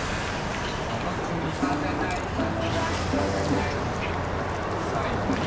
「そのつぎ」「『まぜない』『まぜない』『まぜない』」「さいごに」